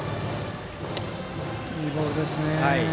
いいボールですね。